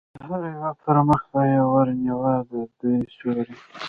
د هر یوه پر مخ به یې ور نیوه، د دوی سیوری.